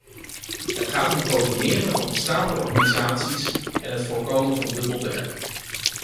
Het gaat om coördineren van bestaande organisaties en het voorkomen van dubbelwerk.